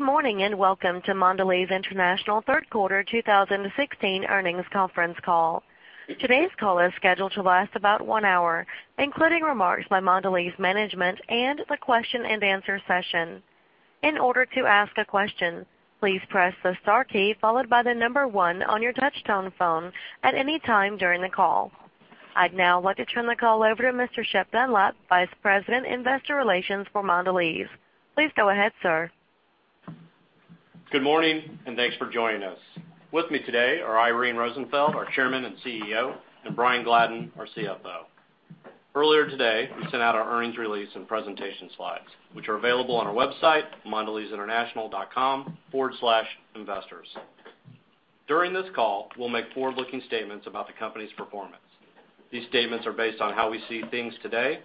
Good morning, and welcome to Mondelez International third quarter 2016 earnings conference call. Today's call is scheduled to last about one hour, including remarks by Mondelez management and the question and answer session. In order to ask a question, please press the star key followed by the number one on your touchtone phone at any time during the call. I'd now like to turn the call over to Mr. Shep Dunlap, Vice President, Investor Relations for Mondelez. Please go ahead, sir. Good morning, thanks for joining us. With me today are Irene Rosenfeld, our Chairman and CEO, and Brian Gladden, our CFO. Earlier today, we sent out our earnings release and presentation slides, which are available on our website, mondelezinternational.com/investors. During this call, we'll make forward-looking statements about the company's performance. These statements are based on how we see things today.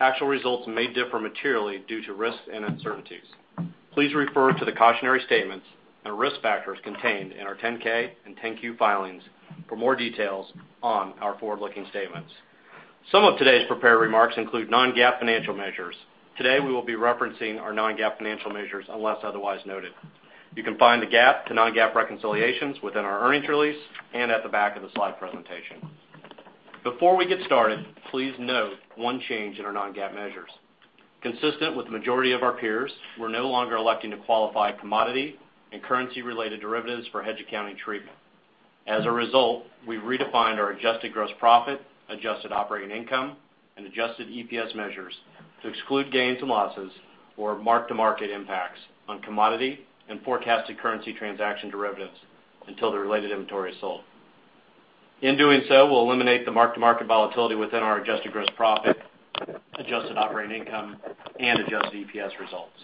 Actual results may differ materially due to risks and uncertainties. Please refer to the cautionary statements and risk factors contained in our 10-K and 10-Q filings for more details on our forward-looking statements. Some of today's prepared remarks include non-GAAP financial measures. Today we will be referencing our non-GAAP financial measures unless otherwise noted. You can find the GAAP to non-GAAP reconciliations within our earnings release and at the back of the slide presentation. Before we get started, please note one change in our non-GAAP measures. Consistent with the majority of our peers, we're no longer electing to qualify commodity and currency-related derivatives for hedge accounting treatment. As a result, we've redefined our adjusted gross profit, adjusted operating income, and adjusted EPS measures to exclude gains and losses or mark-to-market impacts on commodity and forecasted currency transaction derivatives until the related inventory is sold. In doing so, we'll eliminate the mark-to-market volatility within our adjusted gross profit, adjusted operating income, and adjusted EPS results.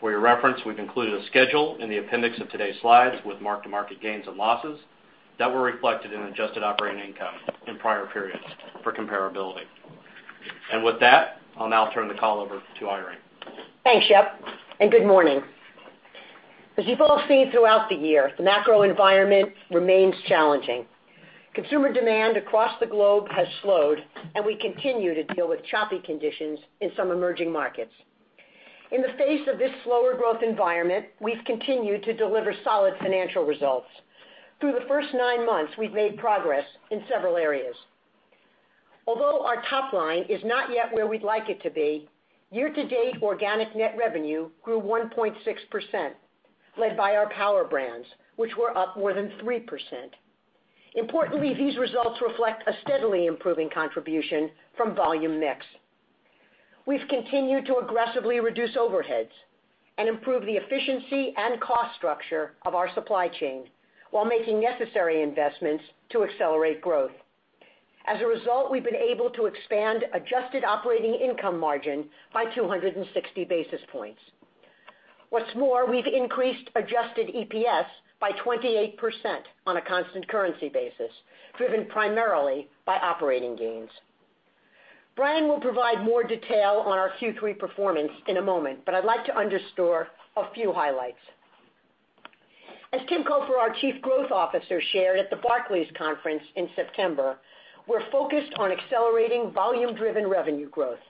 For your reference, we've included a schedule in the appendix of today's slides with mark-to-market gains and losses that were reflected in adjusted operating income in prior periods for comparability. With that, I'll now turn the call over to Irene. Thanks, Shep, good morning. As you've all seen throughout the year, the macro environment remains challenging. Consumer demand across the globe has slowed, and we continue to deal with choppy conditions in some emerging markets. In the face of this slower growth environment, we've continued to deliver solid financial results. Through the first nine months, we've made progress in several areas. Although our top line is not yet where we'd like it to be, year-to-date organic net revenue grew 1.6%, led by our power brands, which were up more than 3%. Importantly, these results reflect a steadily improving contribution from volume mix. We've continued to aggressively reduce overheads and improve the efficiency and cost structure of our supply chain while making necessary investments to accelerate growth. As a result, we've been able to expand adjusted operating income margin by 260 basis points. What's more, we've increased adjusted EPS by 28% on a constant currency basis, driven primarily by operating gains. Brian will provide more detail on our Q3 performance in a moment, but I'd like to underscore a few highlights. As Tim Cofer, our Chief Growth Officer, shared at the Barclays Conference in September, we're focused on accelerating volume-driven revenue growth.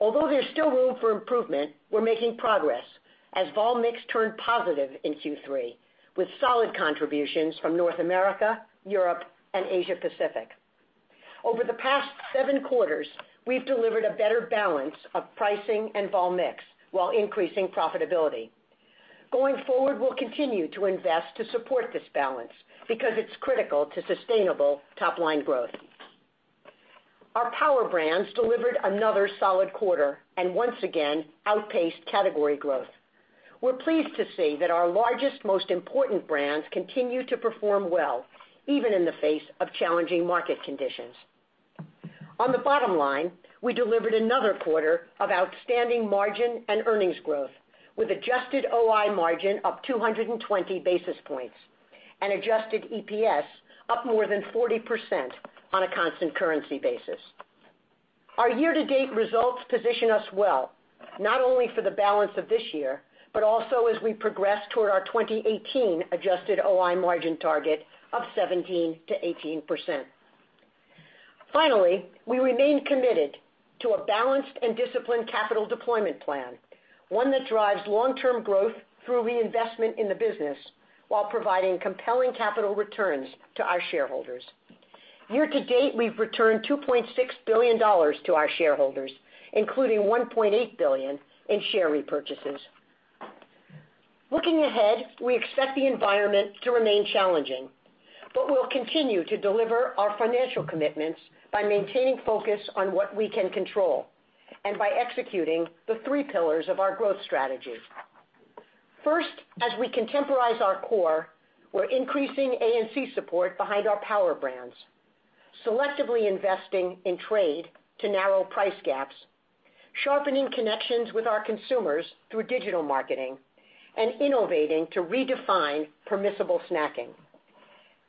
Although there's still room for improvement, we're making progress as vol mix turned positive in Q3, with solid contributions from North America, Europe, and Asia-Pacific. Over the past seven quarters, we've delivered a better balance of pricing and vol mix while increasing profitability. Going forward, we'll continue to invest to support this balance because it's critical to sustainable top-line growth. Our power brands delivered another solid quarter and once again outpaced category growth. We're pleased to see that our largest, most important brands continue to perform well, even in the face of challenging market conditions. On the bottom line, we delivered another quarter of outstanding margin and earnings growth, with adjusted OI margin up 220 basis points and adjusted EPS up more than 40% on a constant currency basis. Our year-to-date results position us well not only for the balance of this year but also as we progress toward our 2018 adjusted OI margin target of 17%-18%. Finally, we remain committed to a balanced and disciplined capital deployment plan, one that drives long-term growth through reinvestment in the business while providing compelling capital returns to our shareholders. Year to date, we've returned $2.6 billion to our shareholders, including $1.8 billion in share repurchases. Looking ahead, we expect the environment to remain challenging. We'll continue to deliver our financial commitments by maintaining focus on what we can control and by executing the three pillars of our growth strategy. First, as we contemporize our core, we're increasing A&C support behind our power brands, selectively investing in trade to narrow price gaps, sharpening connections with our consumers through digital marketing, and innovating to redefine permissible snacking.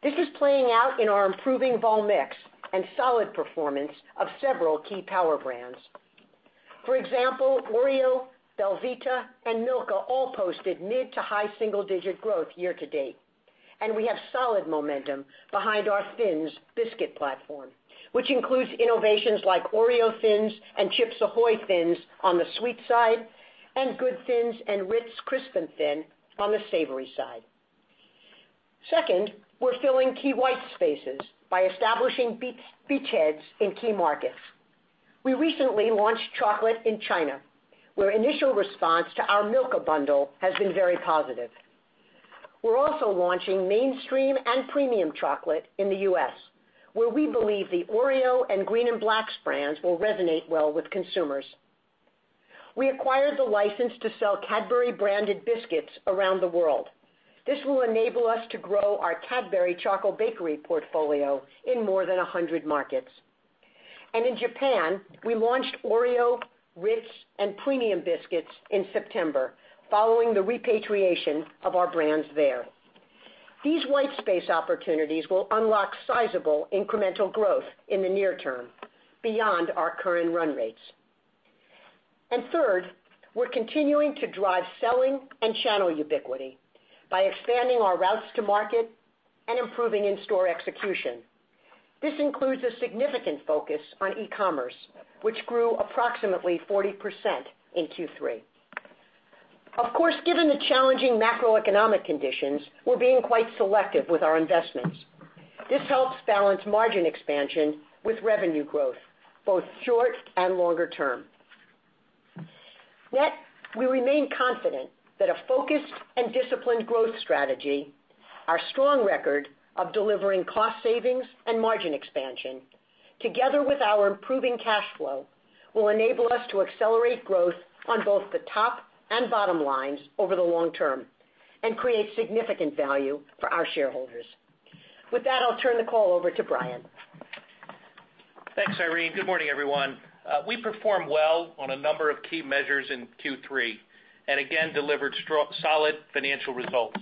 This is playing out in our improving vol mix and solid performance of several key power brands. For example, Oreo, belVita, and Milka all posted mid- to high single-digit growth year to date. We have solid momentum behind our Thins Biscuit platform, which includes innovations like Oreo Thins and CHIPS AHOY! Thins on the sweet side, and GOOD THiNS and Ritz Crisp & Thins on the savory side. Second, we're filling key white spaces by establishing beachheads in key markets. We recently launched chocolate in China, where initial response to our Milka Bonbon has been very positive. We're also launching mainstream and premium chocolate in the U.S., where we believe the Oreo and Green & Black's brands will resonate well with consumers. We acquired the license to sell Cadbury-branded biscuits around the world. This will enable us to grow our Cadbury Chocolate Bakery portfolio in more than 100 markets. In Japan, we launched Oreo, Ritz, and Premium biscuits in September, following the repatriation of our brands there. These white space opportunities will unlock sizable incremental growth in the near term beyond our current run rates. Third, we're continuing to drive selling and channel ubiquity by expanding our routes to market and improving in-store execution. This includes a significant focus on e-commerce, which grew approximately 40% in Q3. Of course, given the challenging macroeconomic conditions, we're being quite selective with our investments. This helps balance margin expansion with revenue growth, both short and longer term. We remain confident that a focused and disciplined growth strategy, our strong record of delivering cost savings and margin expansion, together with our improving cash flow, will enable us to accelerate growth on both the top and bottom lines over the long term and create significant value for our shareholders. With that, I'll turn the call over to Brian. Thanks, Irene. Good morning, everyone. We performed well on a number of key measures in Q3, and again, delivered solid financial results.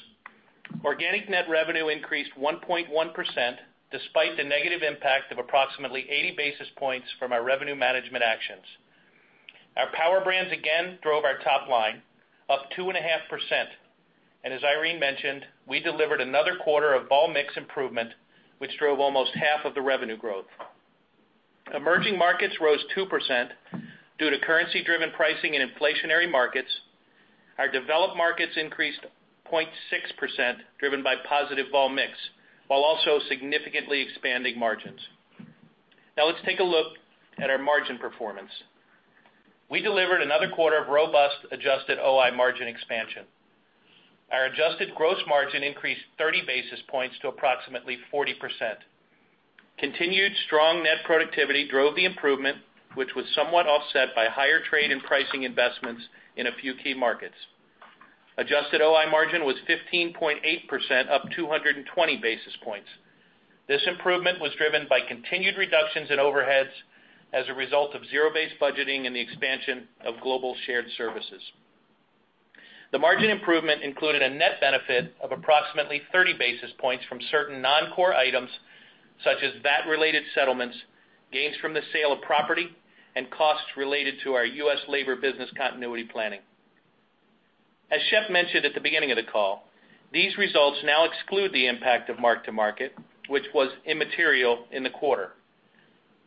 Organic net revenue increased 1.1%, despite the negative impact of approximately 80 basis points from our revenue management actions. Our power brands again drove our top line up 2.5%. As Irene mentioned, we delivered another quarter of vol mix improvement, which drove almost half of the revenue growth. Emerging markets rose 2% due to currency-driven pricing in inflationary markets. Our developed markets increased 0.6%, driven by positive volume mix, while also significantly expanding margins. Now let's take a look at our margin performance. We delivered another quarter of robust adjusted OI margin expansion. Our adjusted gross margin increased 30 basis points to approximately 40%. Continued strong net productivity drove the improvement, which was somewhat offset by higher trade and pricing investments in a few key markets. Adjusted OI margin was 15.8%, up 220 basis points. This improvement was driven by continued reductions in overheads as a result of zero-based budgeting and the expansion of global shared services. The margin improvement included a net benefit of approximately 30 basis points from certain non-core items, such as VAT-related settlements, gains from the sale of property, and costs related to our U.S. labor business continuity planning. As Shep mentioned at the beginning of the call, these results now exclude the impact of mark-to-market, which was immaterial in the quarter.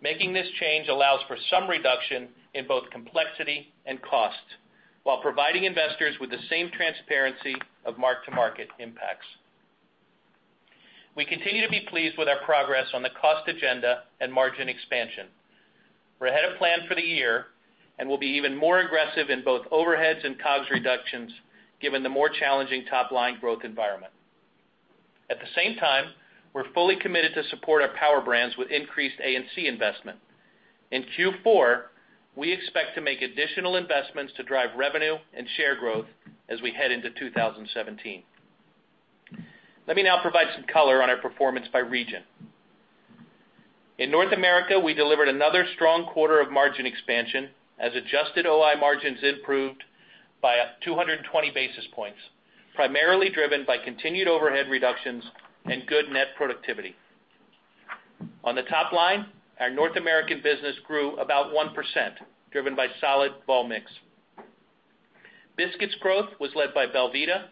Making this change allows for some reduction in both complexity and cost while providing investors with the same transparency of mark-to-market impacts. We continue to be pleased with our progress on the cost agenda and margin expansion. We're ahead of plan for the year and will be even more aggressive in both overheads and COGS reductions, given the more challenging top-line growth environment. At the same time, we're fully committed to support our power brands with increased A&C investment. In Q4, we expect to make additional investments to drive revenue and share growth as we head into 2017. Let me now provide some color on our performance by region. In North America, we delivered another strong quarter of margin expansion as adjusted OI margins improved by 220 basis points, primarily driven by continued overhead reductions and good net productivity. On the top line, our North American business grew about 1%, driven by solid volume mix. Biscuits growth was led by belVita,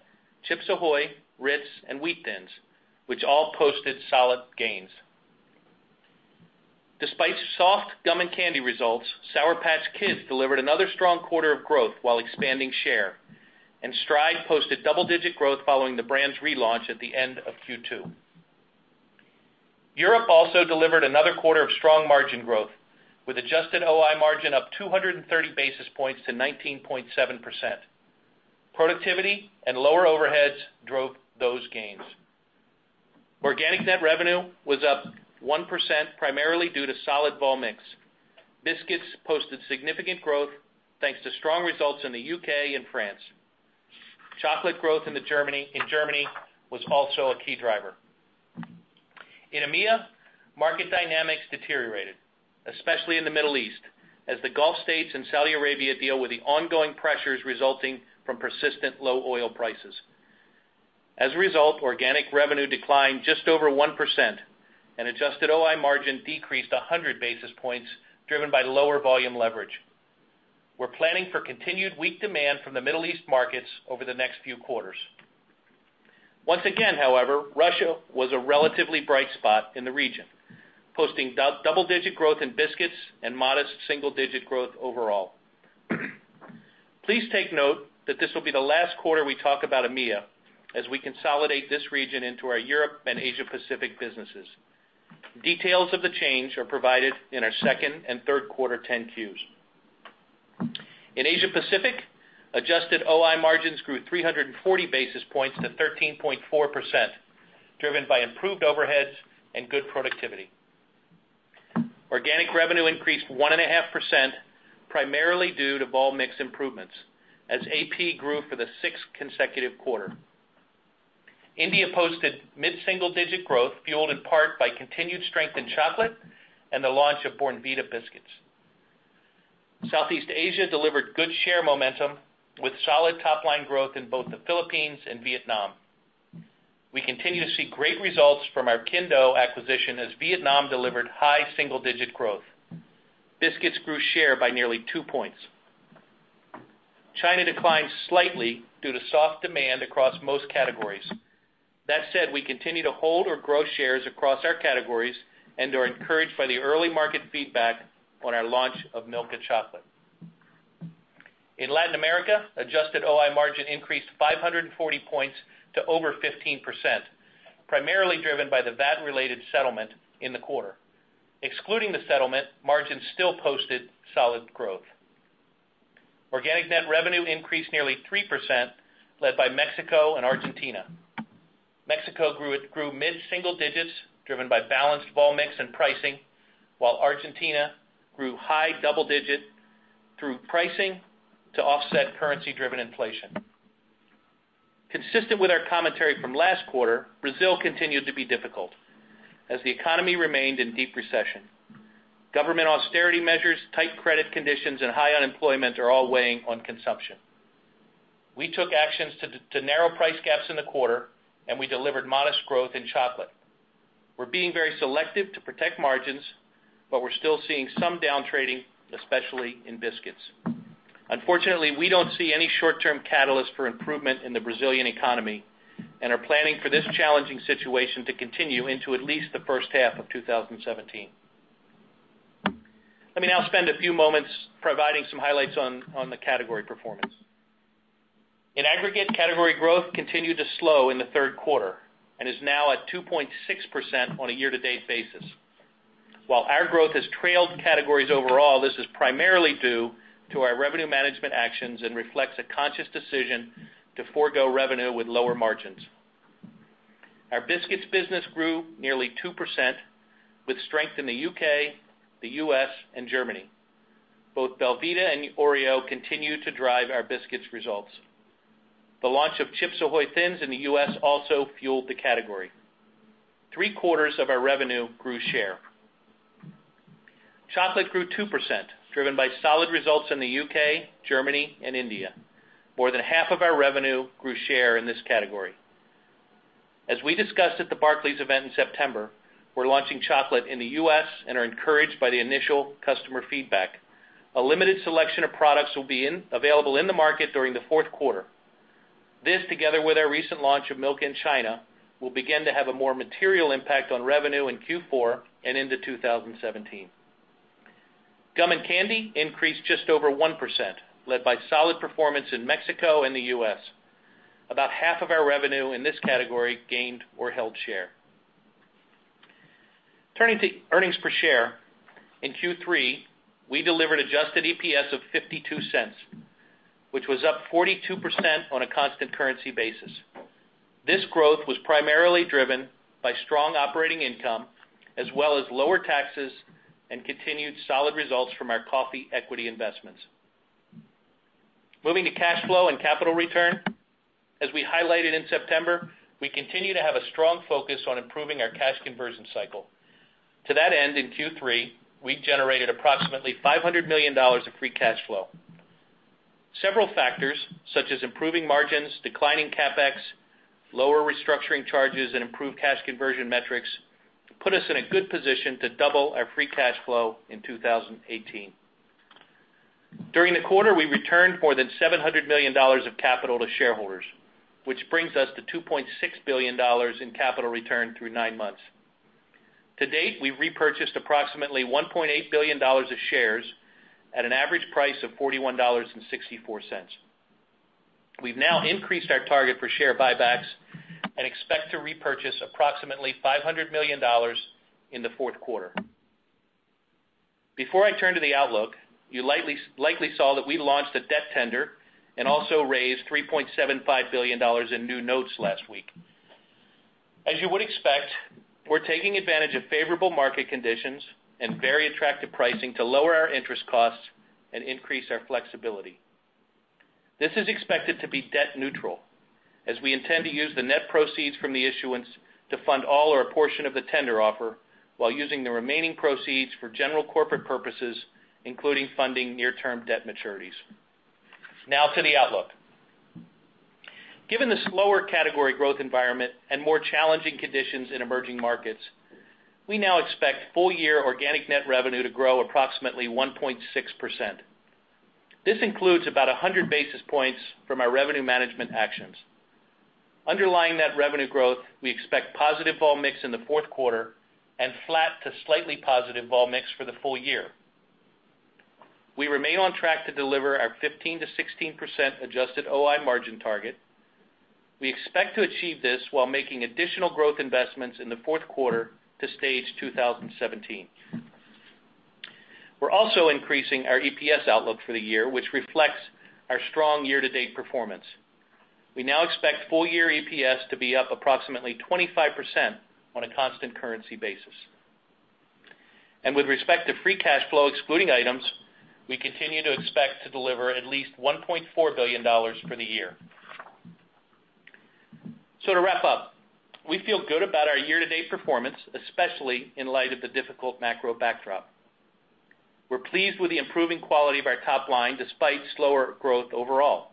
CHIPS AHOY!, Ritz, and Wheat Thins, which all posted solid gains. Despite soft gum and candy results, Sour Patch Kids delivered another strong quarter of growth while expanding share, and Stride posted double-digit growth following the brand's relaunch at the end of Q2. Europe also delivered another quarter of strong margin growth, with adjusted OI margin up 230 basis points to 19.7%. Productivity and lower overheads drove those gains. Organic net revenue was up 1.0%, primarily due to solid volume mix. Biscuits posted significant growth thanks to strong results in the U.K. and France. Chocolate growth in Germany was also a key driver. In EMEA, market dynamics deteriorated, especially in the Middle East, as the Gulf States and Saudi Arabia deal with the ongoing pressures resulting from persistent low oil prices. As a result, organic revenue declined just over 1%, and adjusted OI margin decreased 100 basis points, driven by lower volume leverage. We're planning for continued weak demand from the Middle East markets over the next few quarters. Once again, however, Russia was a relatively bright spot in the region, posting double-digit growth in biscuits and modest single-digit growth overall. Please take note that this will be the last quarter we talk about EMEA, as we consolidate this region into our Europe and Asia-Pacific businesses. Details of the change are provided in our second and third quarter 10-Qs. In Asia-Pacific, adjusted OI margins grew 340 basis points to 13.4%, driven by improved overheads and good productivity. Organic revenue increased 1.5%, primarily due to volume mix improvements as AP grew for the sixth consecutive quarter. India posted mid-single-digit growth, fueled in part by continued strength in chocolate and the launch of Bournvita biscuits. Southeast Asia delivered good share momentum with solid top-line growth in both the Philippines and Vietnam. We continue to see great results from our Kinh Do acquisition as Vietnam delivered high single-digit growth. Biscuits grew share by nearly two points. China declined slightly due to soft demand across most categories. That said, we continue to hold or grow shares across our categories and are encouraged by the early market feedback on our launch of Milka chocolate. In Latin America, adjusted OI margin increased 540 points to over 15%, primarily driven by the VAT-related settlement in the quarter. Excluding the settlement, margins still posted solid growth. Organic net revenue increased nearly 3%, led by Mexico and Argentina. Mexico grew mid-single digits, driven by balanced volume mix and pricing, while Argentina grew high double digits through pricing to offset currency-driven inflation. Consistent with our commentary from last quarter, Brazil continued to be difficult as the economy remained in deep recession. Government austerity measures, tight credit conditions, and high unemployment are all weighing on consumption. We took actions to narrow price gaps in the quarter, and we delivered modest growth in chocolate. We're being very selective to protect margins, but we're still seeing some down trading, especially in biscuits. Unfortunately, we don't see any short-term catalyst for improvement in the Brazilian economy and are planning for this challenging situation to continue into at least the first half of 2017. Let me now spend a few moments providing some highlights on the category performance. In aggregate, category growth continued to slow in the third quarter and is now at 2.6% on a year-to-date basis. While our growth has trailed categories overall, this is primarily due to our revenue management actions and reflects a conscious decision to forgo revenue with lower margins. Our biscuits business grew nearly 2% with strength in the U.K., the U.S., and Germany. Both belVita and Oreo continue to drive our biscuits results. The launch of CHIPS AHOY! Thins in the U.S. also fueled the category. Three-quarters of our revenue grew share. Chocolate grew 2%, driven by solid results in the U.K., Germany, and India. More than half of our revenue grew share in this category. As we discussed at the Barclays event in September, we're launching chocolate in the U.S. and are encouraged by the initial customer feedback. A limited selection of products will be available in the market during the fourth quarter. This, together with our recent launch of Milka in China, will begin to have a more material impact on revenue in Q4 and into 2017. Gum and candy increased just over 1%, led by solid performance in Mexico and the U.S. About half of our revenue in this category gained or held share. Turning to earnings per share. In Q3, we delivered adjusted EPS of $0.52, which was up 42% on a constant currency basis. This growth was primarily driven by strong operating income, as well as lower taxes and continued solid results from our coffee equity investments. Moving to cash flow and capital return. As we highlighted in September, we continue to have a strong focus on improving our cash conversion cycle. To that end, in Q3, we generated approximately $500 million of free cash flow. Several factors such as improving margins, declining CapEx, lower restructuring charges, and improved cash conversion metrics put us in a good position to double our free cash flow in 2018. During the quarter, we returned more than $700 million of capital to shareholders, which brings us to $2.6 billion in capital return through nine months. To date, we've repurchased approximately $1.8 billion of shares at an average price of $41.64. We've now increased our target for share buybacks and expect to repurchase approximately $500 million in the fourth quarter. Before I turn to the outlook, you likely saw that we launched a debt tender and also raised $3.75 billion in new notes last week. As you would expect, we're taking advantage of favorable market conditions and very attractive pricing to lower our interest costs and increase our flexibility. This is expected to be debt neutral, as we intend to use the net proceeds from the issuance to fund all or a portion of the tender offer while using the remaining proceeds for general corporate purposes, including funding near-term debt maturities. Now to the outlook. Given the slower category growth environment and more challenging conditions in emerging markets, we now expect full-year organic net revenue to grow approximately 1.6%. This includes about 100 basis points from our revenue management actions. Underlying that revenue growth, we expect positive vol mix in the fourth quarter and flat to slightly positive vol mix for the full year. We remain on track to deliver our 15%-16% adjusted OI margin target. We expect to achieve this while making additional growth investments in the fourth quarter to stage 2017. We're also increasing our EPS outlook for the year, which reflects our strong year-to-date performance. We now expect full-year EPS to be up approximately 25% on a constant currency basis. With respect to free cash flow excluding items, we continue to expect to deliver at least $1.4 billion for the year. To wrap up, we feel good about our year-to-date performance, especially in light of the difficult macro backdrop. We're pleased with the improving quality of our top line despite slower growth overall.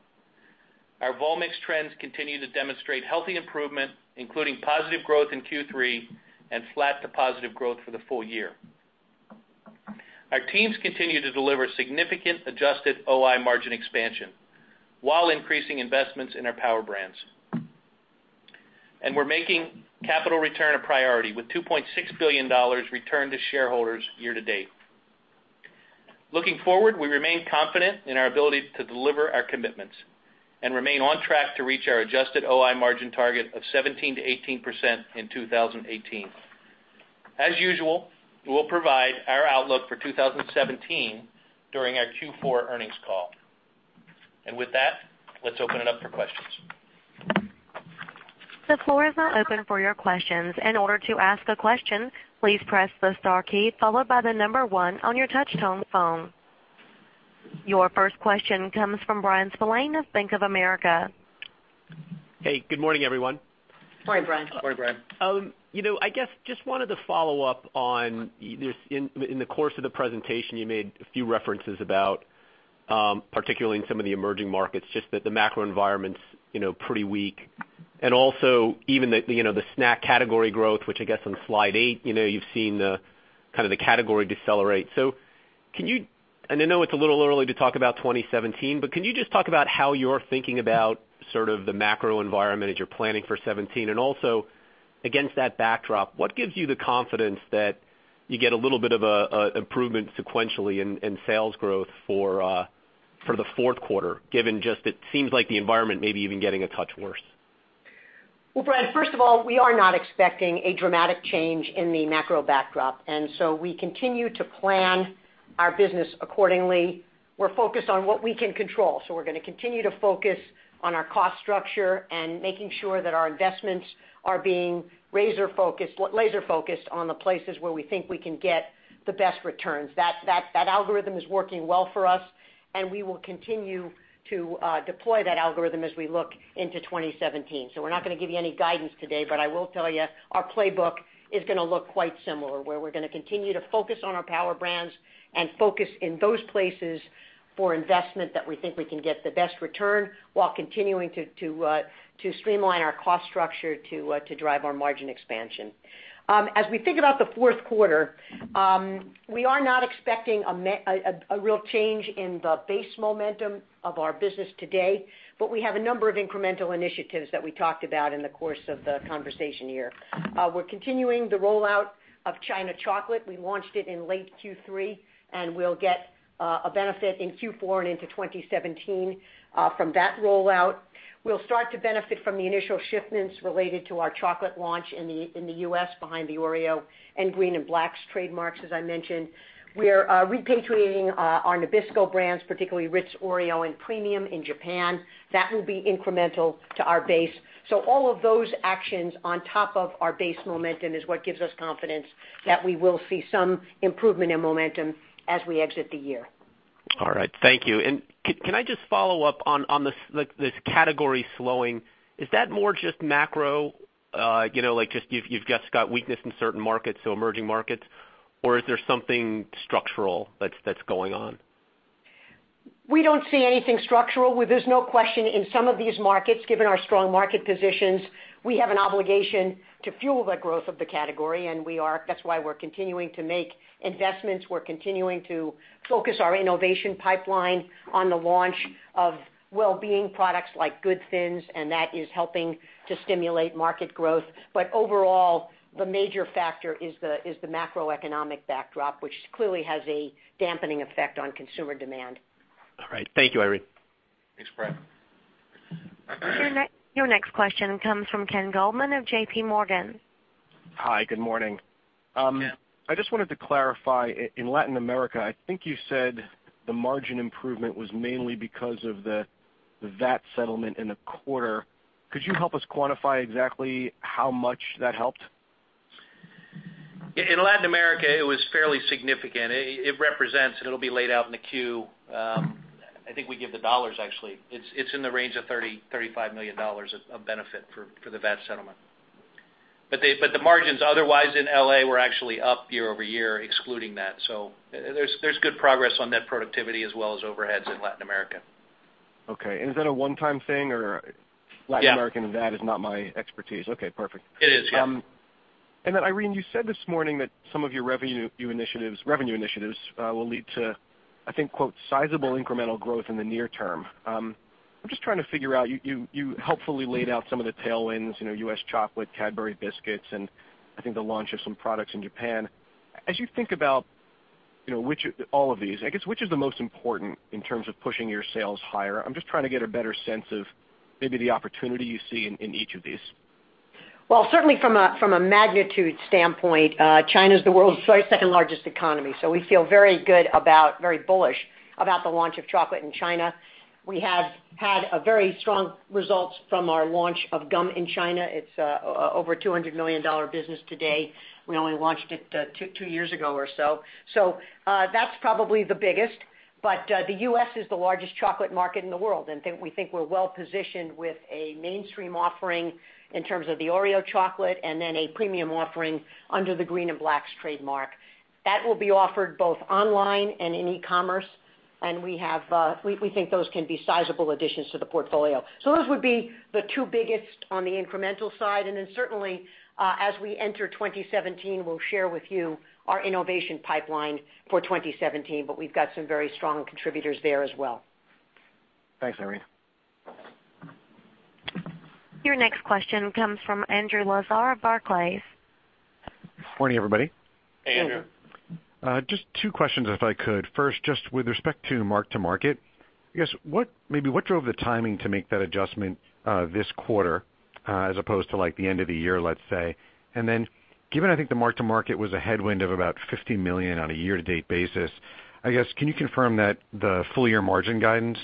Our vol mix trends continue to demonstrate healthy improvement, including positive growth in Q3 and flat to positive growth for the full year. Our teams continue to deliver significant adjusted OI margin expansion while increasing investments in our power brands. We're making capital return a priority with $2.6 billion returned to shareholders year-to-date. Looking forward, we remain confident in our ability to deliver our commitments and remain on track to reach our adjusted OI margin target of 17%-18% in 2018. As usual, we'll provide our outlook for 2017 during our Q4 earnings call. With that, let's open it up for questions. The floor is now open for your questions. In order to ask a question, please press the star key followed by number 1 on your touch-tone phone. Your first question comes from Bryan Spillane of Bank of America. Hey, good morning, everyone. Morning, Bryan. Morning, Bryan. I wanted to follow up on this. In the course of the presentation, you made a few references about, particularly in some of the emerging markets, that the macro environment's pretty weak, and also even the snack category growth, which on slide eight, you've seen the category decelerate. I know it's a little early to talk about 2017, but can you just talk about how you're thinking about sort of the macro environment as you're planning for 2017, and also against that backdrop, what gives you the confidence that you get a little bit of improvement sequentially in sales growth for the fourth quarter, given it seems like the environment may be even getting a touch worse? Brian, first of all, we are not expecting a dramatic change in the macro backdrop. We continue to plan our business accordingly. We're focused on what we can control. We're going to continue to focus on our cost structure and making sure that our investments are being laser-focused on the places where we think we can get the best returns. That algorithm is working well for us. We will continue to deploy that algorithm as we look into 2017. We're not going to give you any guidance today, but I will tell you our playbook is going to look quite similar, where we're going to continue to focus on our power brands and focus in those places for investment that we think we can get the best return while continuing to streamline our cost structure to drive our margin expansion. As we think about the fourth quarter, we are not expecting a real change in the base momentum of our business today, but we have a number of incremental initiatives that we talked about in the course of the conversation here. We're continuing the rollout of China Chocolate. We launched it in late Q3, and we'll get a benefit in Q4 and into 2017 from that rollout. We'll start to benefit from the initial shipments related to our chocolate launch in the U.S. behind the Oreo and Green & Black's trademarks, as I mentioned. We're repatriating our Nabisco brands, particularly Ritz, Oreo, and Premium in Japan. That will be incremental to our base. All of those actions on top of our base momentum is what gives us confidence that we will see some improvement in momentum as we exit the year. All right. Thank you. Can I just follow up on this category slowing? Is that more just macro, like you've just got weakness in certain markets, so emerging markets, or is there something structural that's going on? We don't see anything structural. There's no question in some of these markets, given our strong market positions, we have an obligation to fuel the growth of the category, and that's why we're continuing to make investments. We're continuing to focus our innovation pipeline on the launch of well-being products like GOOD THiNS, and that is helping to stimulate market growth. Overall, the major factor is the macroeconomic backdrop, which clearly has a dampening effect on consumer demand. All right. Thank you, Irene. Thanks, Brian. Your next question comes from Ken Goldman of JP Morgan. Hi, good morning. Ken. I just wanted to clarify, in Latin America, I think you said the margin improvement was mainly because of the VAT settlement in the quarter. Could you help us quantify exactly how much that helped? In Latin America, it was fairly significant. It represents, and it'll be laid out in the Q, I think we give the dollars actually. It's in the range of $35 million of benefit for the VAT settlement. The margins otherwise in L.A. were actually up year-over-year, excluding that. There's good progress on net productivity as well as overheads in Latin America. Okay. Is that a one-time thing or? Yeah Latin American and that is not my expertise. Okay, perfect. It is, yeah. Then Irene, you said this morning that some of your revenue initiatives will lead to, I think, quote, "Sizable incremental growth in the near term." I'm just trying to figure out, you helpfully laid out some of the tailwinds, U.S. chocolate, Cadbury biscuits, and I think the launch of some products in Japan. As you think about all of these, I guess, which is the most important in terms of pushing your sales higher? I'm just trying to get a better sense of maybe the opportunity you see in each of these. Certainly, from a magnitude standpoint, China's the world's second largest economy. We feel very good about, very bullish about the launch of chocolate in China. We have had very strong results from our launch of Stride gum in China. It's over a $200 million business today. We only launched it two years ago or so. That's probably the biggest. The U.S. is the largest chocolate market in the world, and we think we're well-positioned with a mainstream offering in terms of the Oreo chocolate and then a premium offering under the Green & Black's trademark. That will be offered both online and in e-commerce, and we think those can be sizable additions to the portfolio. Those would be the two biggest on the incremental side. Certainly, as we enter 2017, we'll share with you our innovation pipeline for 2017, we've got some very strong contributors there as well. Thanks, Irene. Your next question comes from Andrew Lazar of Barclays. Morning, everybody. Hey, Andrew. Just two questions, if I could. First, just with respect to mark-to-market, I guess, maybe what drove the timing to make that adjustment this quarter as opposed to the end of the year, let's say? Given I think the mark-to-market was a headwind of about $50 million on a year-to-date basis, I guess, can you confirm that the full-year margin guidance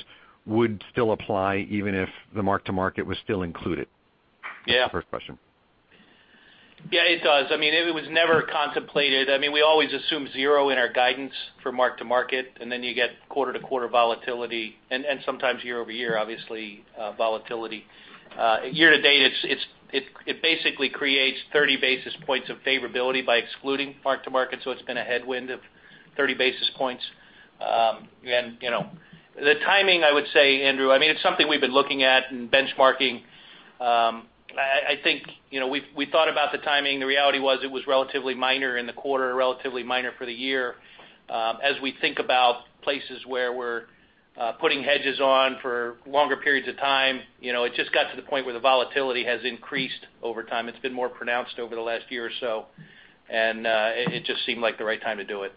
would still apply even if the mark-to-market was still included? Yeah. First question. Yeah, it does. It was never contemplated. We always assume zero in our guidance for mark-to-market. Then you get quarter-to-quarter volatility and sometimes year-over-year, obviously, volatility. Year-to-date, it basically creates 30 basis points of favorability by excluding mark-to-market, so it's been a headwind of 30 basis points. The timing, I would say, Andrew, it's something we've been looking at and benchmarking. I think we thought about the timing. The reality was it was relatively minor in the quarter, relatively minor for the year. As we think about places where we're putting hedges on for longer periods of time, it just got to the point where the volatility has increased over time. It's been more pronounced over the last year or so, and it just seemed like the right time to do it.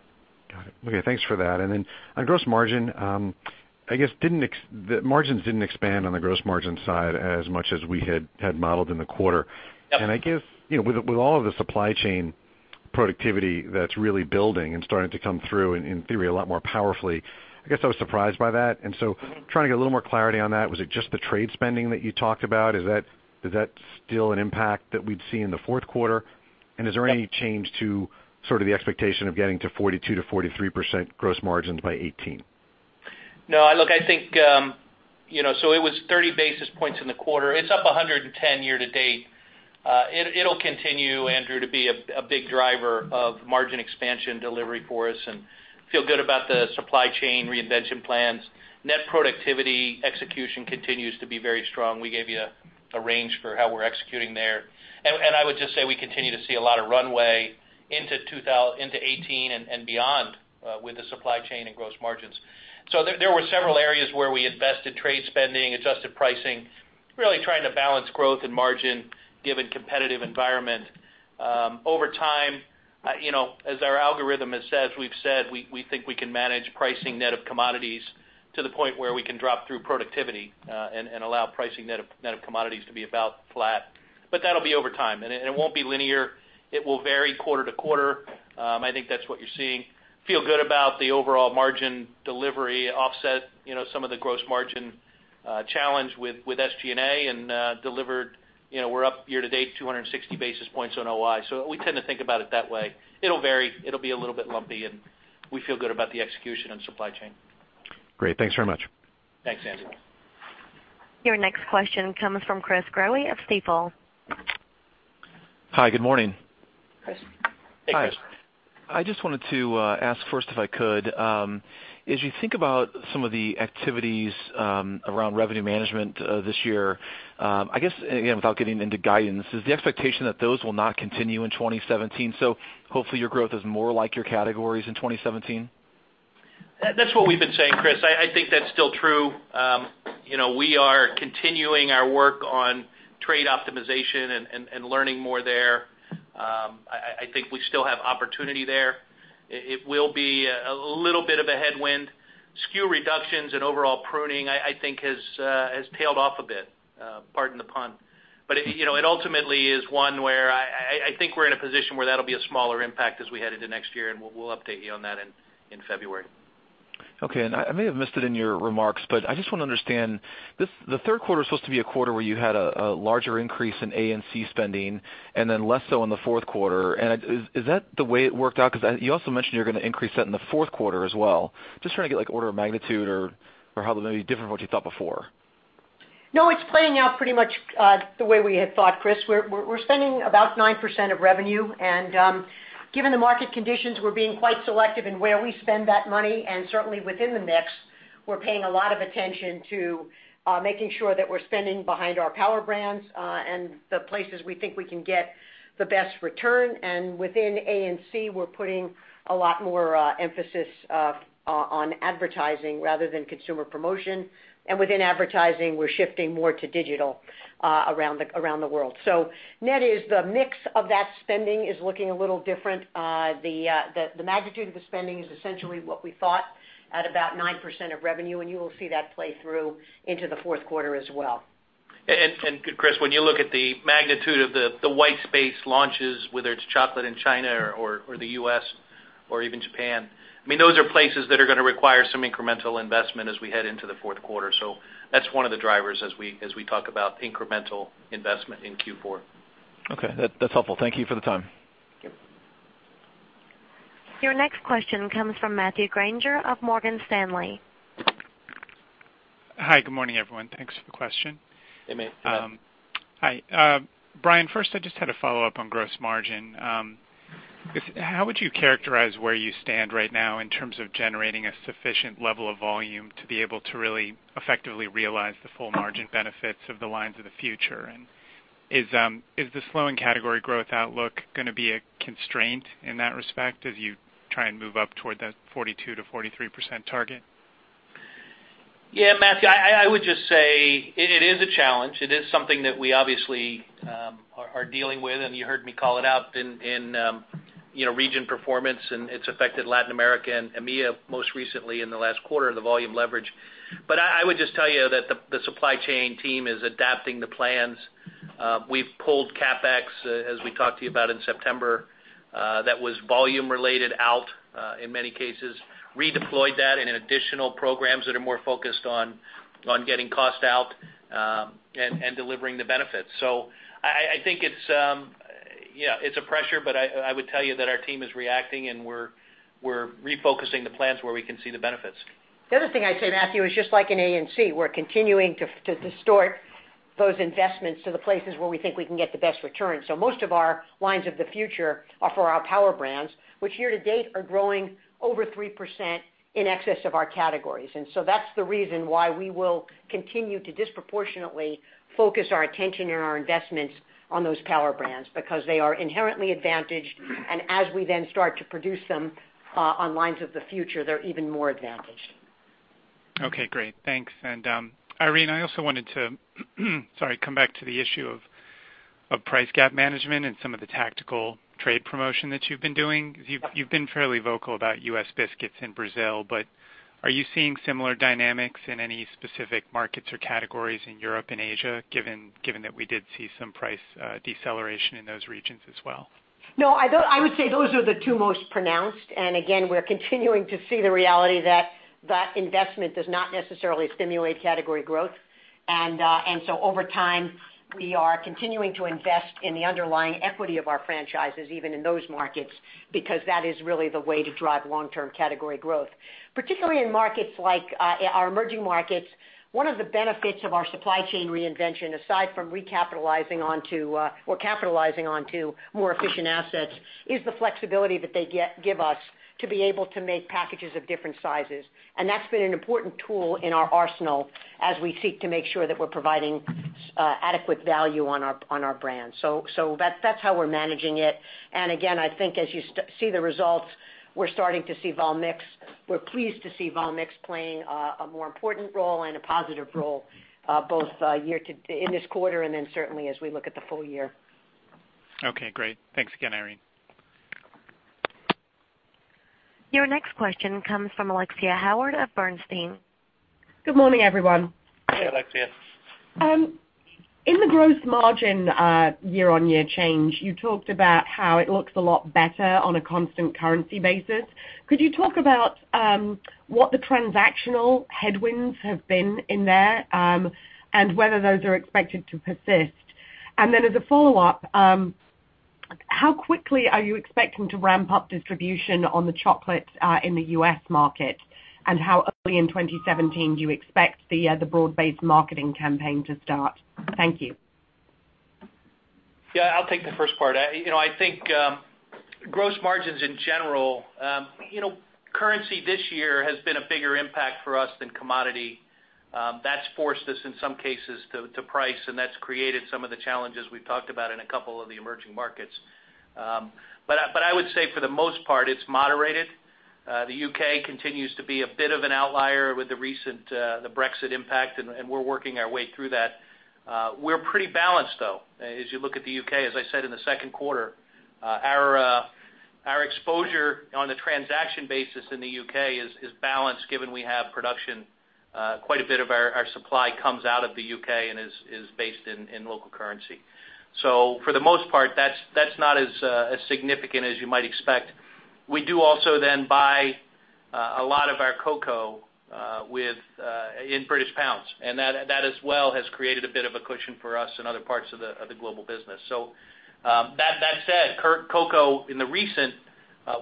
Got it. Okay, thanks for that. Then on gross margin, I guess the margins didn't expand on the gross margin side as much as we had modeled in the quarter. Yep. I guess, with all of the supply chain productivity that's really building and starting to come through in theory a lot more powerfully, I guess I was surprised by that. Trying to get a little more clarity on that, was it just the trade spending that you talked about? Is that still an impact that we'd see in the fourth quarter? Is there any change to sort of the expectation of getting to 42%-43% gross margins by 2018? No. Look, I think so it was 30 basis points in the quarter. It's up 110 year-to-date. It'll continue, Andrew, to be a big driver of margin expansion delivery for us and feel good about the supply chain reinvention plans. Net productivity execution continues to be very strong. We gave you a range for how we're executing there. I would just say we continue to see a lot of runway into 2018 and beyond with the supply chain and gross margins. There were several areas where we invested trade spending, adjusted pricing, really trying to balance growth and margin given competitive environment. Over time, as our algorithm has said, we've said we think we can manage pricing net of commodities to the point where we can drop through productivity and allow pricing net of commodities to be about flat. That'll be over time, and it won't be linear. It will vary quarter-to-quarter. I think that's what you're seeing. Feel good about the overall margin delivery offset some of the gross margin challenge with SG&A and delivered, we're up year-to-date 260 basis points on OI. We tend to think about it that way. It'll vary. It'll be a little bit lumpy, and we feel good about the execution on supply chain. Great. Thanks very much. Thanks, Andrew. Your next question comes from Chris Growe of Stifel. Hi, good morning. Chris. Hey, Chris. I just wanted to ask first, if I could, as you think about some of the activities around revenue management this year, I guess, again, without getting into guidance, is the expectation that those will not continue in 2017, hopefully your growth is more like your categories in 2017? That's what we've been saying, Chris. I think that's still true. We are continuing our work on trade optimization and learning more there. I think we still have opportunity there. It will be a little bit of a headwind. Skew reductions and overall pruning, I think, has tailed off a bit, pardon the pun. It ultimately is one where I think we're in a position where that'll be a smaller impact as we head into next year, and we'll update you on that in February. Okay. I may have missed it in your remarks, but I just want to understand, the third quarter is supposed to be a quarter where you had a larger increase in A&C spending and then less so in the fourth quarter. Is that the way it worked out? You also mentioned you're going to increase that in the fourth quarter as well. Just trying to get order of magnitude or how that may be different from what you thought before. No, it's playing out pretty much the way we had thought, Chris. We're spending about 9% of revenue, Given the market conditions, we're being quite selective in where we spend that money. Certainly within the mix, we're paying a lot of attention to making sure that we're spending behind our power brands, and the places we think we can get the best return. Within A&C, we're putting a lot more emphasis on advertising rather than consumer promotion. Within advertising, we're shifting more to digital around the world. Net is the mix of that spending is looking a little different. The magnitude of the spending is essentially what we thought at about 9% of revenue, and you will see that play through into the fourth quarter as well. Chris, when you look at the magnitude of the white space launches, whether it's chocolate in China or the U.S. or even Japan, those are places that are going to require some incremental investment as we head into the fourth quarter. That's one of the drivers as we talk about incremental investment in Q4. Okay. That's helpful. Thank you for the time. Yep. Your next question comes from Matthew Grainger of Morgan Stanley. Hi, good morning, everyone. Thanks for the question. Hey, Matt. Hi. Brian, first I just had a follow-up on gross margin. How would you characterize where you stand right now in terms of generating a sufficient level of volume to be able to really effectively realize the full margin benefits of the lines of the future? Is the slowing category growth outlook going to be a constraint in that respect as you try and move up toward that 42%-43% target? Yeah, Matthew, I would just say it is a challenge. It is something that we obviously are dealing with, and you heard me call it out in region performance. It's affected Latin America and EMEA most recently in the last quarter of the volume leverage. I would just tell you that the supply chain team is adapting the plans. We've pulled CapEx, as we talked to you about in September, that was volume related out in many cases, redeployed that in additional programs that are more focused on getting cost out, and delivering the benefits. I think it's a pressure, but I would tell you that our team is reacting and we're refocusing the plans where we can see the benefits. The other thing I'd say, Matthew, is just like in A&C, we're continuing to distort those investments to the places where we think we can get the best return. Most of our lines of the future are for our power brands, which here to date are growing over 3% in excess of our categories. That's the reason why we will continue to disproportionately focus our attention and our investments on those power brands, because they are inherently advantaged, and as we then start to produce them on lines of the future, they're even more advantaged. Okay, great. Thanks. Irene, I also wanted to come back to the issue of price gap management and some of the tactical trade promotion that you've been doing. You've been fairly vocal about U.S. biscuits in Brazil, but are you seeing similar dynamics in any specific markets or categories in Europe and Asia, given that we did see some price deceleration in those regions as well? No, I would say those are the two most pronounced. Again, we're continuing to see the reality that that investment does not necessarily stimulate category growth. Over time, we are continuing to invest in the underlying equity of our franchises, even in those markets, because that is really the way to drive long-term category growth. Particularly in markets like our emerging markets, one of the benefits of our supply chain reinvention, aside from capitalizing onto more efficient assets, is the flexibility that they give us to be able to make packages of different sizes. That's been an important tool in our arsenal as we seek to make sure that we're providing adequate value on our brands. That's how we're managing it. Again, I think as you see the results, we're starting to see vol mix. We're pleased to see vol mix playing a more important role and a positive role, both in this quarter and then certainly as we look at the full year. Okay, great. Thanks again, Irene. Your next question comes from Alexia Howard of Bernstein. Good morning, everyone. Hey, Alexia. In the gross margin year-over-year change, you talked about how it looks a lot better on a constant currency basis. Could you talk about what the transactional headwinds have been in there, and whether those are expected to persist? Then as a follow-up, how quickly are you expecting to ramp up distribution on the chocolate in the U.S. market, and how early in 2017 do you expect the broad-based marketing campaign to start? Thank you. Yeah, I'll take the first part. I think gross margins in general, currency this year has been a bigger impact for us than commodity. That's forced us in some cases to price, and that's created some of the challenges we've talked about in a couple of the emerging markets. I would say for the most part, it's moderated. The U.K. continues to be a bit of an outlier with the recent Brexit impact, and we're working our way through that. We're pretty balanced, though, as you look at the U.K., as I said in the second quarter. Our exposure on the transaction basis in the U.K. is balanced given we have production, quite a bit of our supply comes out of the U.K. and is based in local currency. For the most part, that's not as significant as you might expect. We do also then buy a lot of our cocoa in GBP, and that as well has created a bit of a cushion for us in other parts of the global business. That said, cocoa in the recent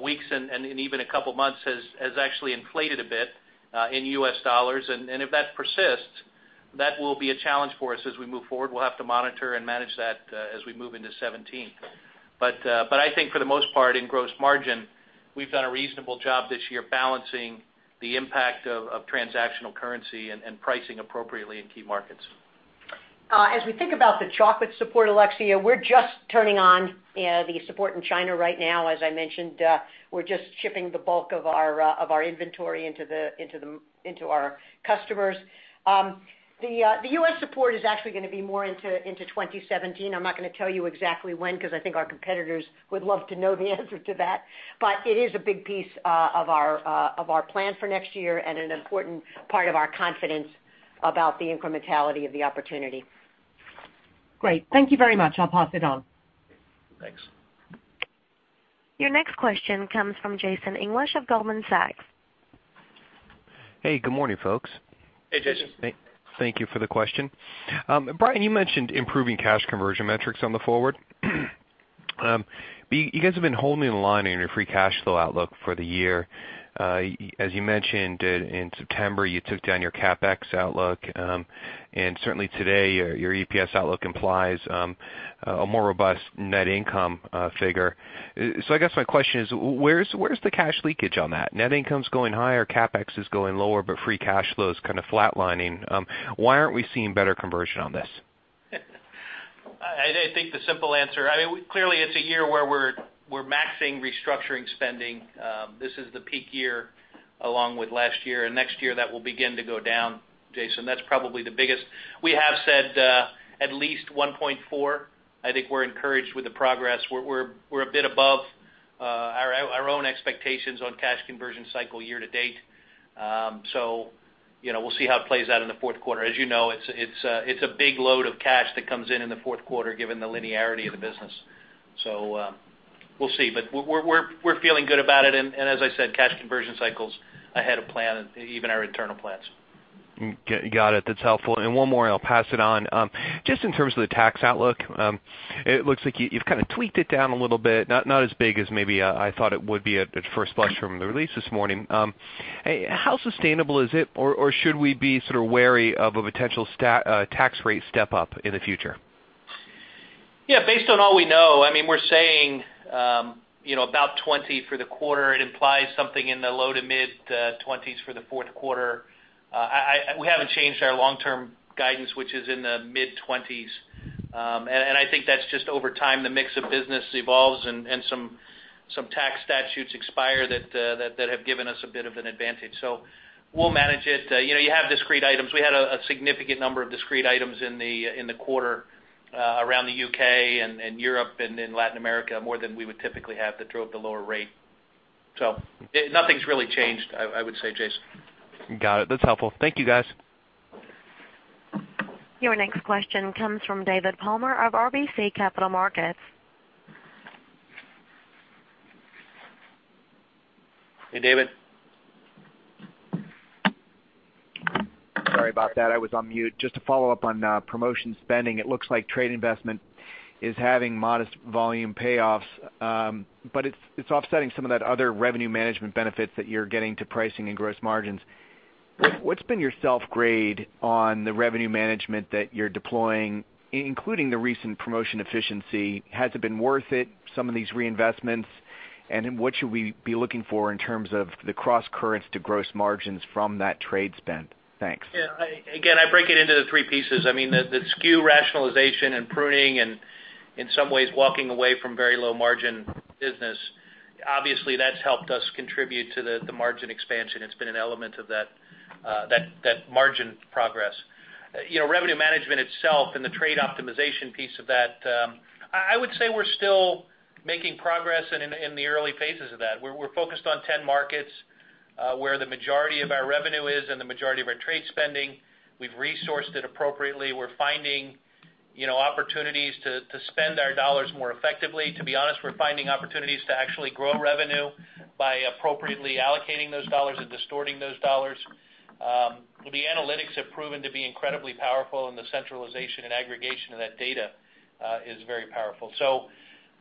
weeks and even a couple of months has actually inflated a bit in US dollars. If that persists, that will be a challenge for us as we move forward. We'll have to monitor and manage that as we move into 2017. I think for the most part, in gross margin, we've done a reasonable job this year balancing the impact of transactional currency and pricing appropriately in key markets. As we think about the chocolate support, Alexia, we're just turning on the support in China right now. As I mentioned, we're just shipping the bulk of our inventory into our customers. The U.S. support is actually going to be more into 2017. I'm not going to tell you exactly when, because I think our competitors would love to know the answer to that. It is a big piece of our plan for next year and an important part of our confidence about the incrementality of the opportunity. Great. Thank you very much. I'll pass it on. Thanks. Your next question comes from Jason English of Goldman Sachs. Hey, good morning, folks. Hey, Jason. Thank you for the question. Brian, you mentioned improving cash conversion metrics on the forward. You guys have been holding the line on your free cash flow outlook for the year. As you mentioned, in September, you took down your CapEx outlook. Certainly today, your EPS outlook implies a more robust net income figure. I guess my question is, where's the cash leakage on that? Net income's going higher, CapEx is going lower, free cash flow is kind of flatlining. Why aren't we seeing better conversion on this? I think the simple answer, clearly it's a year where we're maxing restructuring spending. This is the peak year along with last year. Next year that will begin to go down, Jason. That's probably the biggest. We have said at least 1.4. I think we're encouraged with the progress. We're a bit above our own expectations on cash conversion cycle year to date. We'll see how it plays out in the fourth quarter. As you know, it's a big load of cash that comes in in the fourth quarter, given the linearity of the business. We'll see. We're feeling good about it, and as I said, cash conversion cycle's ahead of plan, even our internal plans. Got it. That's helpful. One more and I'll pass it on. Just in terms of the tax outlook, it looks like you've kind of tweaked it down a little bit. Not as big as maybe I thought it would be at first blush from the release this morning. How sustainable is it, or should we be sort of wary of a potential tax rate step-up in the future? Yeah, based on all we know, we're saying about 20% for the quarter. It implies something in the low to mid-20s% for the Q4. We haven't changed our long-term guidance, which is in the mid-20s%. I think that's just over time, the mix of business evolves and some tax statutes expire that have given us a bit of an advantage. We'll manage it. You have discrete items. We had a significant number of discrete items in the quarter around the U.K. and Europe and in Latin America, more than we would typically have that drove the lower rate. Nothing's really changed, I would say, Jason. Got it. That's helpful. Thank you, guys. Your next question comes from David Palmer of RBC Capital Markets. Hey, David. Sorry about that. I was on mute. Just to follow up on promotion spending, it looks like trade investment is having modest volume payoffs. It's offsetting some of that other revenue management benefits that you're getting to pricing and gross margins. What's been your self-grade on the revenue management that you're deploying, including the recent promotion efficiency? Has it been worth it, some of these reinvestments? What should we be looking for in terms of the cross-currents to gross margins from that trade spend? Thanks. Yeah. Again, I break it into the three pieces. The SKU rationalization and pruning and in some ways walking away from very low-margin business, obviously that's helped us contribute to the margin expansion. It's been an element of that margin progress. Revenue management itself and the trade optimization piece of that, I would say we're still making progress and in the early phases of that. We're focused on 10 markets where the majority of our revenue is and the majority of our trade spending. We've resourced it appropriately. We're finding opportunities to spend our dollars more effectively. To be honest, we're finding opportunities to actually grow revenue by appropriately allocating those dollars and distorting those dollars. The analytics have proven to be incredibly powerful. The centralization and aggregation of that data is very powerful.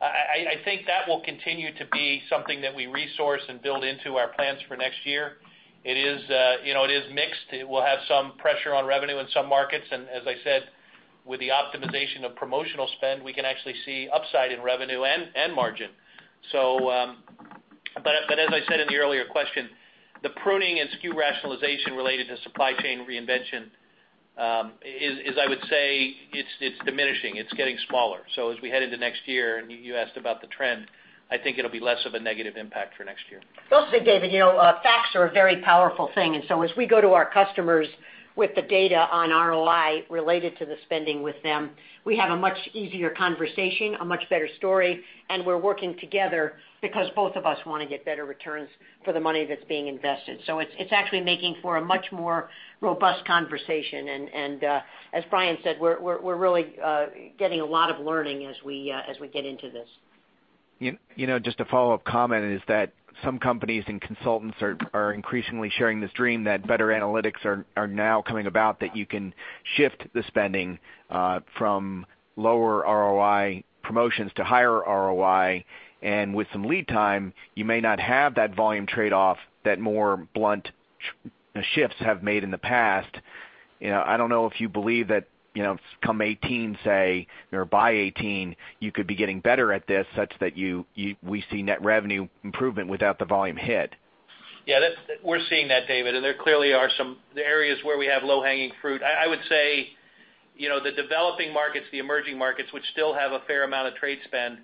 I think that will continue to be something that we resource and build into our plans for next year. It is mixed. It will have some pressure on revenue in some markets. As I said, with the optimization of promotional spend, we can actually see upside in revenue and margin. As I said in the earlier question, the pruning and SKU rationalization related to supply chain reinvention is, I would say, it's diminishing. It's getting smaller. As we head into next year, and you asked about the trend, I think it'll be less of a negative impact for next year. I'll say, David, facts are a very powerful thing. As we go to our customers with the data on ROI related to the spending with them, we have a much easier conversation, a much better story, and we're working together because both of us want to get better returns for the money that's being invested. It's actually making for a much more robust conversation. As Brian said, we're really getting a lot of learning as we get into this. Just a follow-up comment is that some companies and consultants are increasingly sharing this dream that better analytics are now coming about that you can shift the spending from lower ROI promotions to higher ROI. With some lead time, you may not have that volume trade-off, that more blunt shifts have made in the past, I don't know if you believe that, come 2018 say, or by 2018, you could be getting better at this such that we see net revenue improvement without the volume hit. Yeah, we're seeing that, David, there clearly are some areas where we have low-hanging fruit. I would say the developing markets, the emerging markets, which still have a fair amount of trade spend,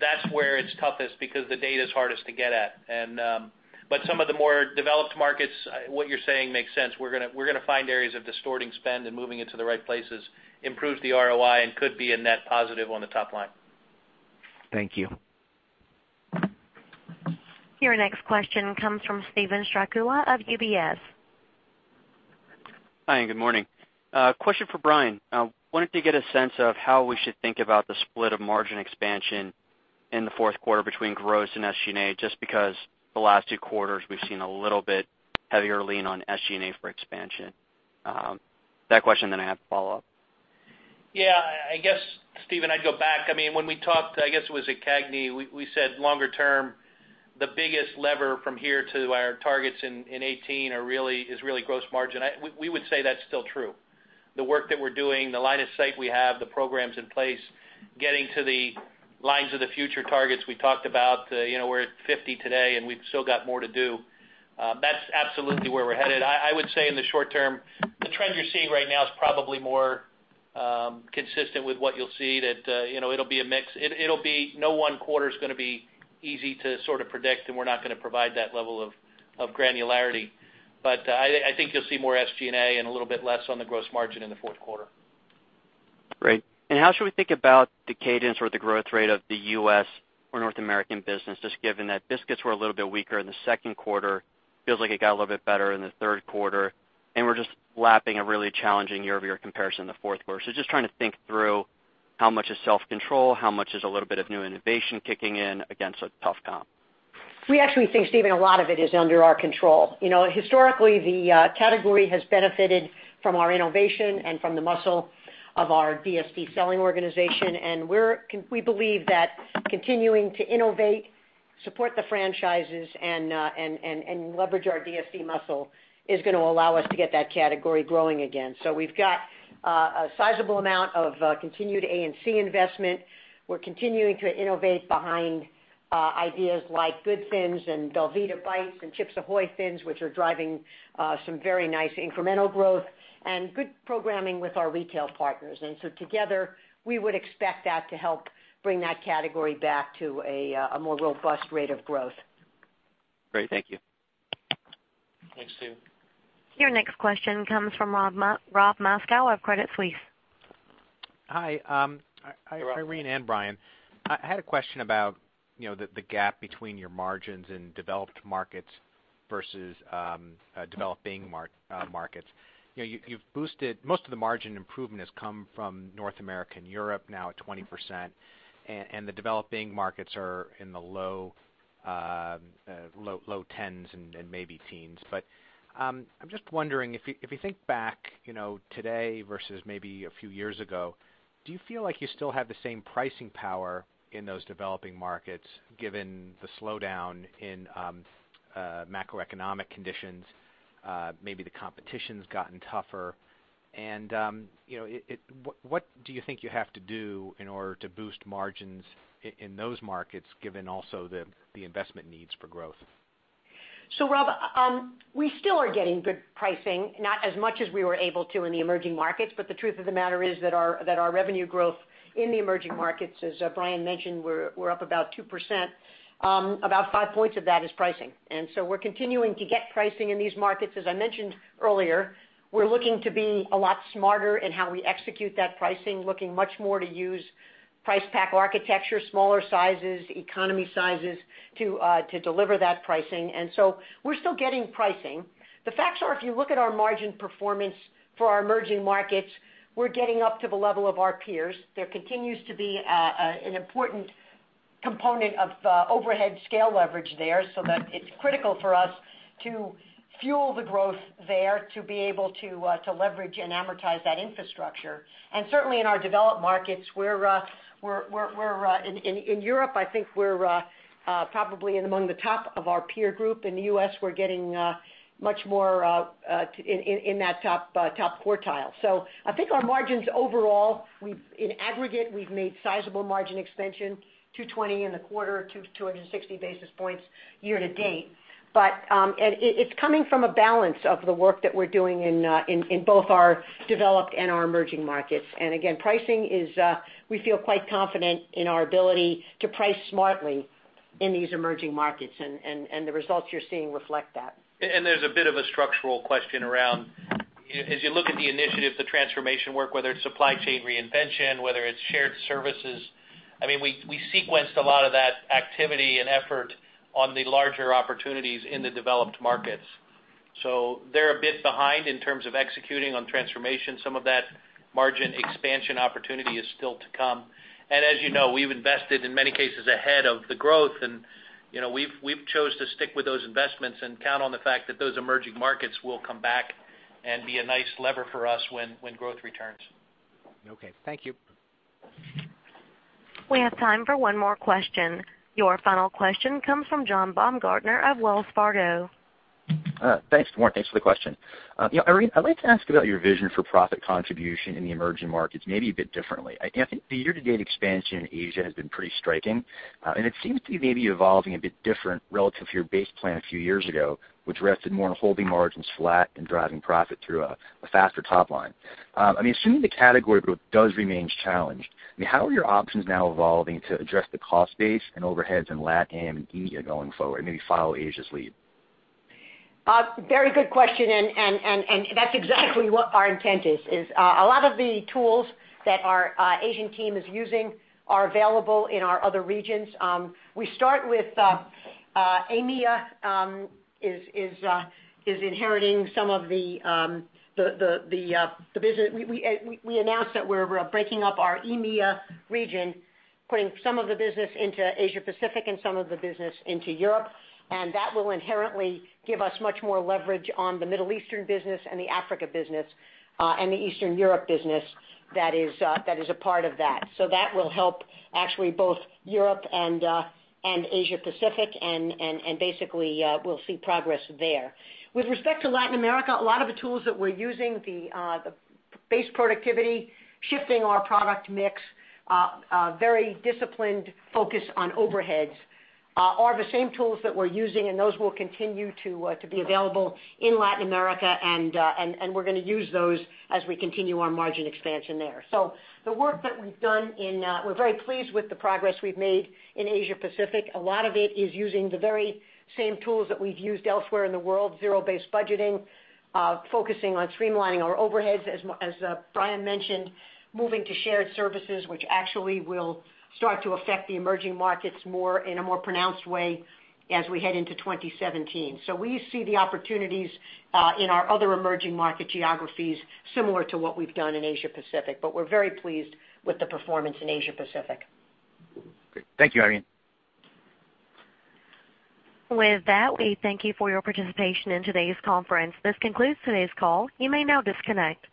that's where it's toughest because the data's hardest to get at. Some of the more developed markets, what you're saying makes sense. We're going to find areas of distorting spend and moving it to the right places, improves the ROI and could be a net positive on the top line. Thank you. Your next question comes from Steven Strycula of UBS. Hi, good morning. Question for Brian. I wanted to get a sense of how we should think about the split of margin expansion in the fourth quarter between gross and SG&A, just because the last 2 quarters we've seen a little bit heavier lean on SG&A for expansion. That question. I have a follow-up. I guess, Steven, I'd go back. When we talked, I guess it was at CAGNY, we said longer term, the biggest lever from here to our targets in 2018 is really gross margin. We would say that's still true. The work that we're doing, the line of sight we have, the programs in place, getting to the lines of the future targets we talked about, we're at 50 today and we've still got more to do. That's absolutely where we're headed. I would say in the short term, the trend you're seeing right now is probably more consistent with what you'll see that it'll be a mix. No one quarter is going to be easy to sort of predict and we're not going to provide that level of granularity. I think you'll see more SG&A and a little bit less on the gross margin in the fourth quarter. Great. How should we think about the cadence or the growth rate of the U.S. or North American business, just given that biscuits were a little bit weaker in the second quarter, feels like it got a little bit better in the third quarter, and we're just lapping a really challenging year-over-year comparison in the fourth quarter. Just trying to think through how much is self-control, how much is a little bit of new innovation kicking in against a tough comp. We actually think, Steven, a lot of it is under our control. Historically, the category has benefited from our innovation and from the muscle of our DSD selling organization and we believe that continuing to innovate, support the franchises and leverage our DSD muscle is going to allow us to get that category growing again. We've got a sizable amount of continued A&C investment. We're continuing to innovate behind ideas like GOOD THiNS and belVita Bites and CHIPS AHOY! Thins, which are driving some very nice incremental growth and good programming with our retail partners. Together, we would expect that to help bring that category back to a more robust rate of growth. Great. Thank you. Thanks, Steven. Your next question comes from Rob Moskow of Credit Suisse. Hi Irene and Brian. I had a question about the gap between your margins in developed markets versus developing markets. Most of the margin improvement has come from North America and Europe now at 20%, and the developing markets are in the low tens and maybe teens. I'm just wondering if you think back today versus maybe a few years ago, do you feel like you still have the same pricing power in those developing markets given the slowdown in macroeconomic conditions, maybe the competition's gotten tougher? What do you think you have to do in order to boost margins in those markets given also the investment needs for growth? Rob, we still are getting good pricing, not as much as we were able to in the emerging markets. The truth of the matter is that our revenue growth in the emerging markets, as Brian mentioned, we're up about 2%. About five points of that is pricing. We're continuing to get pricing in these markets. As I mentioned earlier, we're looking to be a lot smarter in how we execute that pricing, looking much more to use price pack architecture, smaller sizes, economy sizes to deliver that pricing. We're still getting pricing. The facts are if you look at our margin performance for our emerging markets, we're getting up to the level of our peers. There continues to be an important component of overhead scale leverage there so that it's critical for us to fuel the growth there to be able to leverage and amortize that infrastructure. Certainly in our developed markets, in Europe I think we're probably in among the top of our peer group. In the U.S., we're getting much more in that top quartile. I think our margins overall, in aggregate, we've made sizable margin expansion, 220 in the quarter to 260 basis points year to date. It's coming from a balance of the work that we're doing in both our developed and our emerging markets. Again, pricing is, we feel quite confident in our ability to price smartly in these emerging markets and the results you're seeing reflect that. There's a bit of a structural question around as you look at the initiatives, the transformation work, whether it's supply chain reinvention, whether it's shared services. We sequenced a lot of that activity and effort on the larger opportunities in the developed markets. They're a bit behind in terms of executing on transformation. Some of that margin expansion opportunity is still to come. As you know, we've invested in many cases ahead of the growth and we've chose to stick with those investments and count on the fact that those emerging markets will come back and be a nice lever for us when growth returns. Okay. Thank you. We have time for one more question. Your final question comes from John Baumgartner of Wells Fargo. Thanks, Thanks for the question. Irene, I'd like to ask about your vision for profit contribution in the emerging markets, maybe a bit differently. I think the year-to-date expansion in Asia has been pretty striking, and it seems to be maybe evolving a bit different relative to your base plan a few years ago, which rested more on holding margins flat and driving profit through a faster top line. Assuming the category growth does remain challenged, how are your options now evolving to address the cost base and overheads in LATAM and EMEA going forward, maybe follow Asia's lead? Very good question. That's exactly what our intent is. A lot of the tools that our Asian team is using are available in our other regions. We start with EMEA is inheriting some of the business. We announced that we're breaking up our EMEA region, putting some of the business into Asia Pacific and some of the business into Europe, and that will inherently give us much more leverage on the Middle Eastern business and the Africa business, and the Eastern Europe business that is a part of that. That will help actually both Europe and Asia Pacific, and basically, we'll see progress there. With respect to Latin America, a lot of the tools that we're using, the base productivity, shifting our product mix, very disciplined focus on overheads, are the same tools that we're using. Those will continue to be available in Latin America, and we're going to use those as we continue our margin expansion there. The work that we've done, we're very pleased with the progress we've made in Asia Pacific. A lot of it is using the very same tools that we've used elsewhere in the world, zero-based budgeting, focusing on streamlining our overheads, as Brian mentioned, moving to shared services, which actually will start to affect the emerging markets in a more pronounced way as we head into 2017. We see the opportunities in our other emerging market geographies similar to what we've done in Asia Pacific, but we're very pleased with the performance in Asia Pacific. Great. Thank you, Irene. With that, we thank you for your participation in today's conference. This concludes today's call. You may now disconnect.